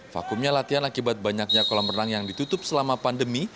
vakumnya latihan akibat banyaknya kolam renang yang ditutup selama pandemi